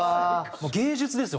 もう芸術ですよ！